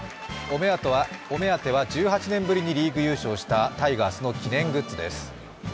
お目当ては１８年ぶりにリーグ優勝したタイガースの記念グッズです。